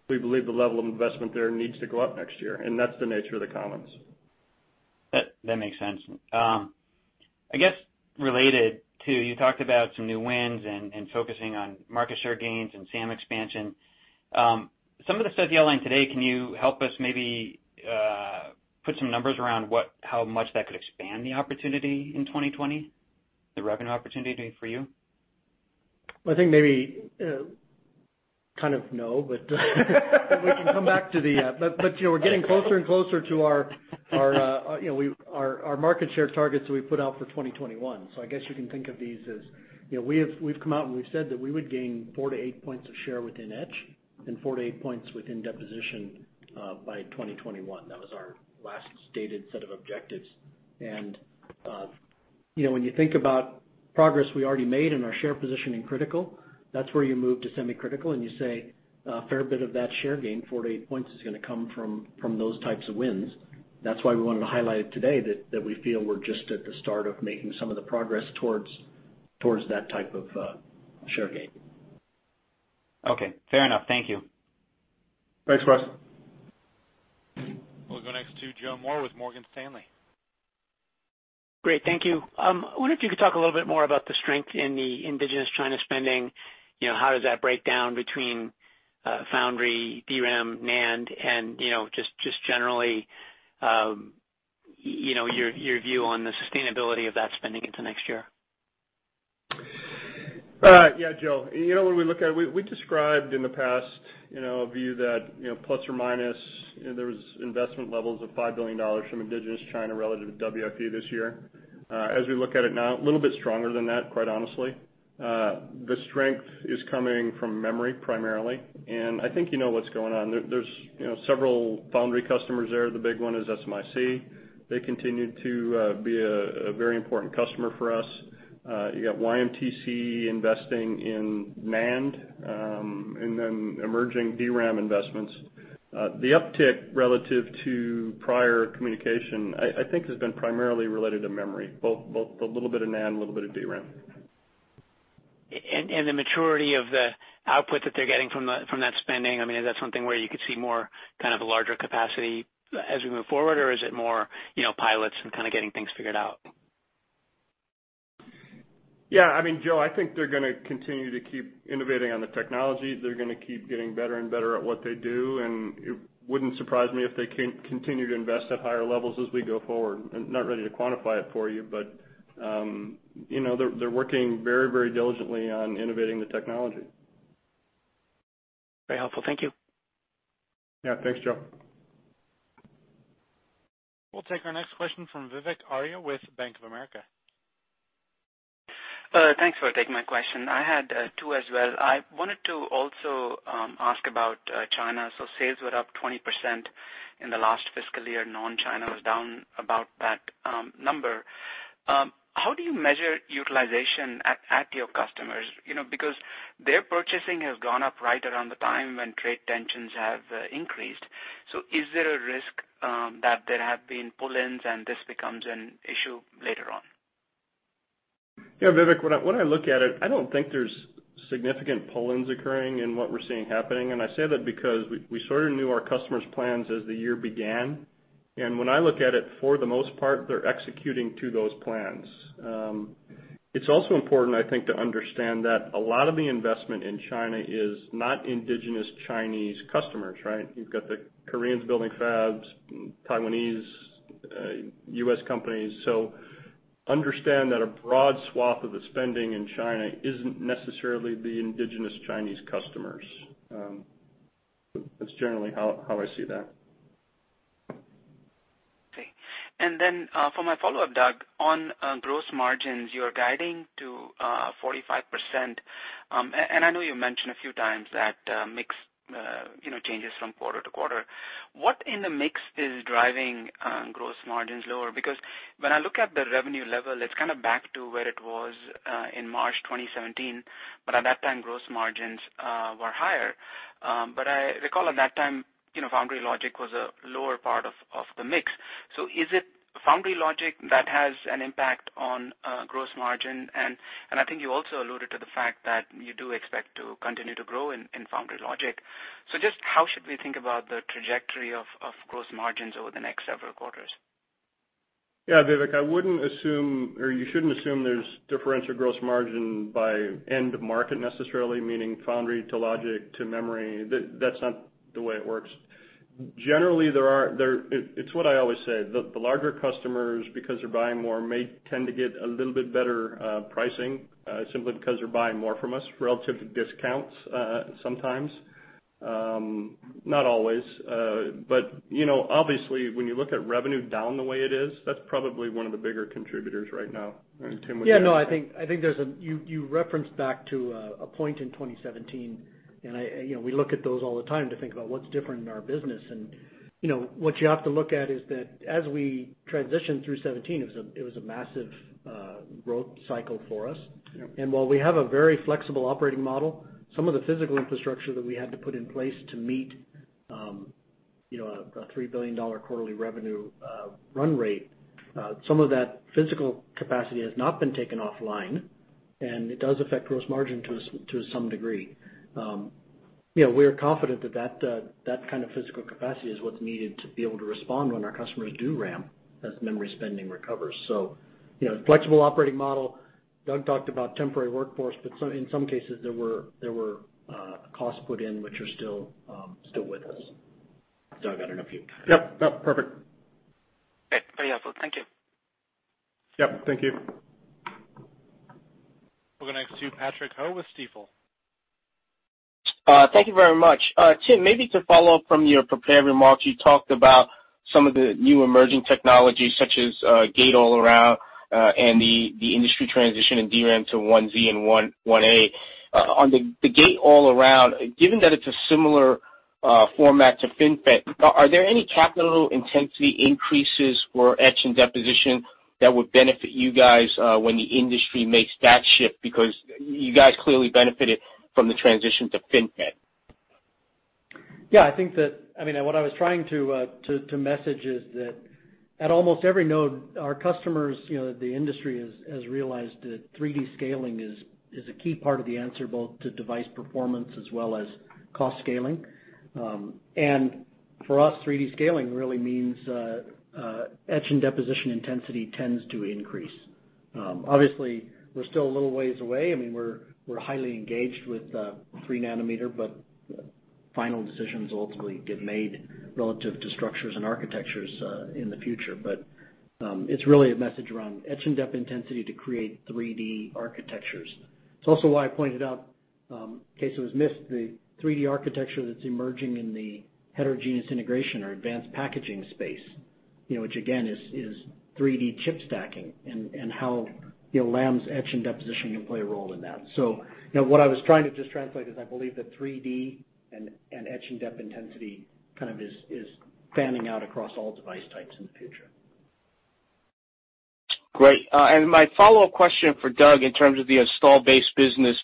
we believe the level of investment there needs to go up next year, and that's the nature of the comments. That makes sense. I guess related, too, you talked about some new wins and focusing on market share gains and SAM expansion. Some of the stuff you outlined today, can you help us maybe put some numbers around how much that could expand the opportunity in 2020, the revenue opportunity maybe for you? We're getting closer and closer to our market share targets that we put out for 2021. I guess you can think of these as, we've come out and we've said that we would gain 4-8 points of share within etch and 4-8 points within deposition by 2021. That was our last stated set of objectives. When you think about progress we already made in our share position in critical, that's where you move to semi-critical, and you say a fair bit of that share gain, 4-8 points, is going to come from those types of wins. That's why we wanted to highlight today that we feel we're just at the start of making some of the progress towards that type of share gain. Okay. Fair enough. Thank you. Thanks, Wes. We'll go next to Joe Moore with Morgan Stanley. Great. Thank you. I wonder if you could talk a little bit more about the strength in the indigenous China spending. How does that break down between foundry, DRAM, NAND, and just generally, your view on the sustainability of that spending into next year? Yeah, Joe. We described in the past a view that plus or minus, there was investment levels of $5 billion from indigenous China relative to WFE this year. As we look at it now, a little bit stronger than that, quite honestly. The strength is coming from memory primarily, and I think you know what's going on there. There's several foundry customers there. The big one is SMIC. They continue to be a very important customer for us. You got YMTC investing in NAND, and then emerging DRAM investments. The uptick relative to prior communication, I think, has been primarily related to memory, both a little bit of NAND, a little bit of DRAM. The maturity of the output that they're getting from that spending, is that something where you could see more kind of a larger capacity as we move forward? Or is it more pilots and kind of getting things figured out? Yeah. Joe, I think they're going to continue to keep innovating on the technology. They're going to keep getting better and better at what they do, and it wouldn't surprise me if they continue to invest at higher levels as we go forward. I'm not ready to quantify it for you, but they're working very diligently on innovating the technology. Very helpful. Thank you. Yeah. Thanks, Joe. We'll take our next question from Vivek Arya with Bank of America. Thanks for taking my question. I had two as well. I wanted to also ask about China. Sales were up 20% in the last fiscal year. Non-China was down about that number. How do you measure utilization at your customers? Because their purchasing has gone up right around the time when trade tensions have increased. Is there a risk that there have been pull-ins and this becomes an issue later on? Vivek, when I look at it, I don't think there's significant pull-ins occurring in what we're seeing happening. I say that because we sort of knew our customers' plans as the year began. When I look at it, for the most part, they're executing to those plans. It's also important, I think, to understand that a lot of the investment in China is not indigenous Chinese customers, right? You've got the Koreans building fabs, Taiwanese, U.S. companies. Understand that a broad swath of the spending in China isn't necessarily the indigenous Chinese customers. That's generally how I see that. Okay. Then for my follow-up, Doug, on gross margins, you're guiding to 45%. I know you mentioned a few times that mix changes from quarter to quarter. What in the mix is driving gross margins lower? When I look at the revenue level, it's kind of back to where it was in March 2017, at that time, gross margins were higher. I recall at that time, foundry logic was a lower part of the mix. Is it foundry logic that has an impact on gross margin? I think you also alluded to the fact that you do expect to continue to grow in foundry logic. Just how should we think about the trajectory of gross margins over the next several quarters? Yeah, Vivek, I wouldn't assume, or you shouldn't assume there's differential gross margin by end market necessarily, meaning foundry to logic to memory. That's not the way it works. Generally, it's what I always say. The larger customers, because they're buying more, may tend to get a little bit better pricing, simply because they're buying more from us, relative discounts sometimes, not always. Obviously, when you look at revenue down the way it is, that's probably one of the bigger contributors right now. Yeah, I think you referenced back to a point in 2017. We look at those all the time to think about what's different in our business. What you have to look at is that as we transitioned through 2017, it was a massive growth cycle for us. Yep. While we have a very flexible operating model, some of the physical infrastructure that we had to put in place to meet a $3 billion quarterly revenue run rate, some of that physical capacity has not been taken offline, and it does affect gross margin to some degree. We are confident that that kind of physical capacity is what's needed to be able to respond when our customers do ramp as memory spending recovers. Flexible operating model. Doug talked about temporary workforce, but in some cases, there were costs put in which are still with us. Doug, I don't know if you kind of. Yep. Perfect. Okay. Very helpful. Thank you. Yep. Thank you. We'll go next to Patrick Ho with Stifel. Thank you very much. Tim, maybe to follow up from your prepared remarks, you talked about some of the new emerging technologies such as gate-all-around and the industry transition in DRAM to 1Z and 1A. On the gate-all-around, given that it's a similar format to FinFET, are there any capital intensity increases for etch and deposition that would benefit you guys when the industry makes that shift? You guys clearly benefited from the transition to FinFET. Yeah, I think that what I was trying to message is that at almost every node, our customers, the industry has realized that 3D scaling is a key part of the answer, both to device performance as well as cost scaling. For us, 3D scaling really means etch and deposition intensity tends to increase. Obviously, we're still a little ways away. We're highly engaged with three nanometer, but final decisions ultimately get made relative to structures and architectures in the future. It's really a message around etch and dep intensity to create 3D architectures. It's also why I pointed out, in case it was missed, the 3D architecture that's emerging in the heterogeneous integration or advanced packaging space, which again, is 3D chip stacking and how Lam's etch and deposition can play a role in that. What I was trying to just translate is I believe that 3D and etch and dep intensity kind of is fanning out across all device types in the future. Great. My follow-up question for Doug in terms of the installed base business.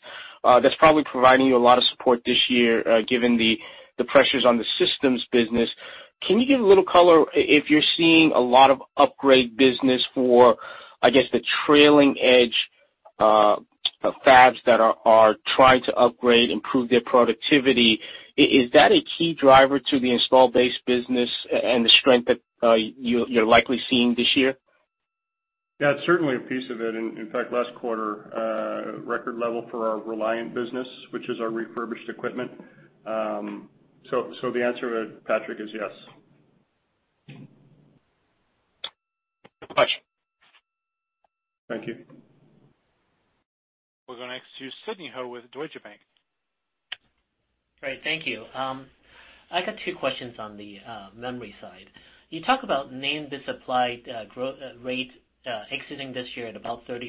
That's probably providing you a lot of support this year, given the pressures on the systems business. Can you give a little color if you're seeing a lot of upgrade business for, I guess, the trailing edge of fabs that are trying to upgrade, improve their productivity? Is that a key driver to the install base business and the strength that you're likely seeing this year? Yeah, it's certainly a piece of it. In fact, last quarter, record level for our Reliant business, which is our refurbished equipment. The answer, Patrick, is yes. [Thanks]. Thank you. We'll go next to Sidney Ho with Deutsche Bank. Great. Thank you. I got two questions on the memory side. You talk about NAND bit supply rate exiting this year at about 30%.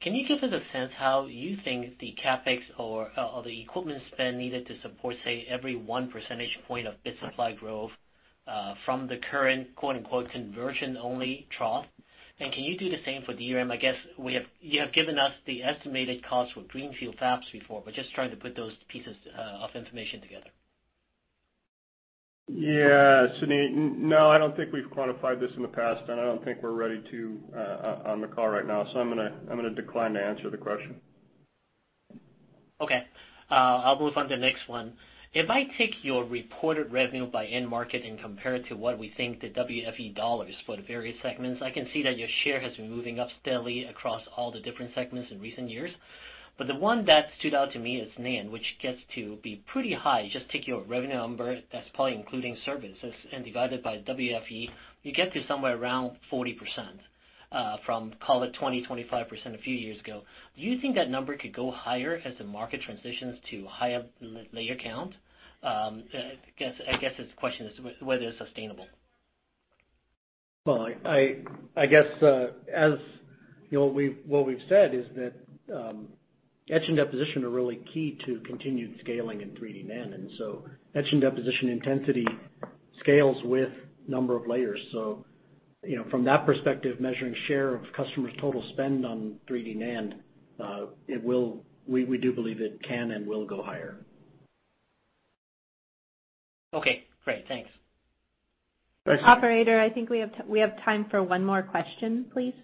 Can you give us a sense how you think the CapEx or the equipment spend needed to support, say, every one percentage point of bit supply growth, from the current "conversion only" trough? Can you do the same for DRAM? I guess, you have given us the estimated cost for greenfield fabs before. Just trying to put those pieces of information together. Yeah, Sidney. No, I don't think we've quantified this in the past, and I don't think we're ready to on the call right now. I'm going to decline to answer the question. Okay. I'll move on to the next one. If I take your reported revenue by end market and compare it to what we think the WFE dollars for the various segments, I can see that your share has been moving up steadily across all the different segments in recent years. The one that stood out to me is NAND, which gets to be pretty high. Just take your revenue number, that's probably including services, and divide it by WFE, you get to somewhere around 40%, from call it 20%-25% a few years ago. Do you think that number could go higher as the market transitions to higher layer count? I guess this question is whether it's sustainable. Well, I guess, what we've said is that etch and deposition are really key to continued scaling in 3D NAND. Etch and deposition intensity scales with number of layers. From that perspective, measuring share of customers' total spend on 3D NAND, we do believe it can and will go higher. Okay, great. Thanks. Thanks, Sidney. Operator, I think we have time for one more question, please.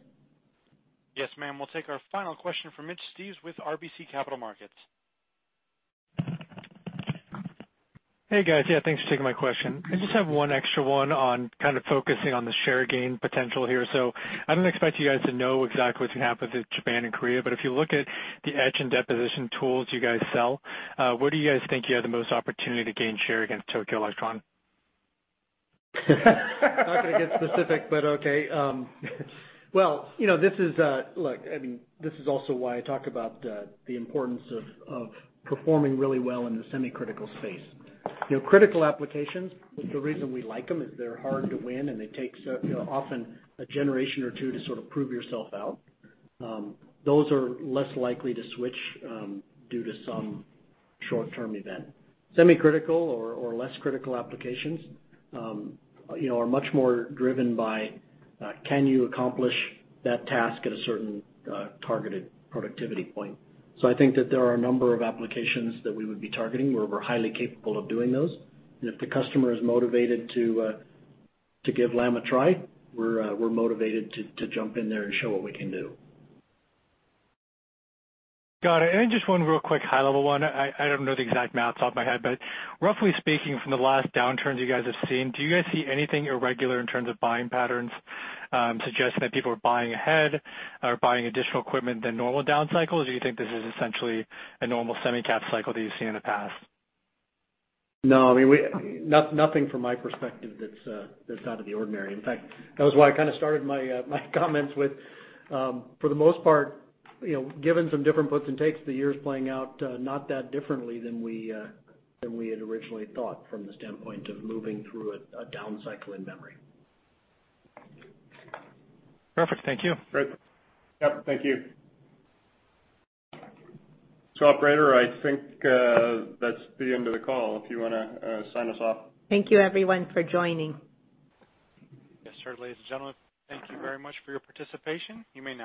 Yes, ma'am. We'll take our final question from Mitch Steves with RBC Capital Markets. Hey, guys. Yeah, thanks for taking my question. I just have one extra one on kind of focusing on the share gain potential here. I don't expect you guys to know exactly what's going to happen to Japan and Korea, but if you look at the etch and deposition tools you guys sell, where do you guys think you have the most opportunity to gain share against Tokyo Electron? Not going to get specific. Okay. Well, this is also why I talk about the importance of performing really well in the semi-critical space. Critical applications, the reason we like them is they're hard to win, and they take, often, a generation or two to sort of prove yourself out. Those are less likely to switch due to some short-term event. Semi-critical or less critical applications are much more driven by can you accomplish that task at a certain targeted productivity point. I think that there are a number of applications that we would be targeting where we're highly capable of doing those. If the customer is motivated to give Lam a try, we're motivated to jump in there and show what we can do. Got it. Just one real quick high-level one. I don't know the exact math off my head, but roughly speaking, from the last downturns you guys have seen, do you guys see anything irregular in terms of buying patterns suggesting that people are buying ahead or buying additional equipment than normal down cycles? Do you think this is essentially a normal semi cap cycle that you've seen in the past? No. Nothing from my perspective that's out of the ordinary. In fact, that was why I kind of started my comments with, for the most part, given some different puts and takes, the year's playing out not that differently than we had originally thought from the standpoint of moving through a down cycle in memory. Perfect. Thank you. Great. Yep. Thank you. Operator, I think that's the end of the call, if you want to sign us off. Thank you everyone for joining. Yes, sir. Ladies and gentlemen, thank you very much for your participation. You may now-